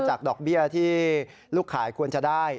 ดอกเบี้ยที่ลูกขายควรจะได้